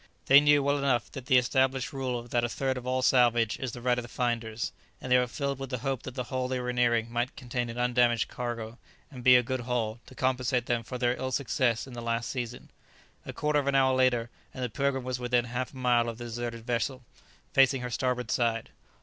They knew well enough the established rule that a third of all salvage is the right of the finders, and they were filled with the hope that the hull they were nearing might contain an undamaged cargo, and be "a good haul," to compensate them for their ill success in the last season. A quarter of an hour later and the "Pilgrim" was within half a mile of the deserted vessel, facing her starboard side.